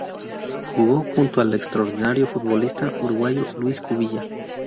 Jugó junto al extraordinario futbolista uruguayo Luis Cubilla.